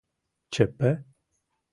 ЧП?